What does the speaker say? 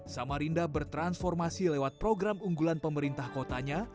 samarinda bertransformasi lewat program unggulan pemerintah kotanya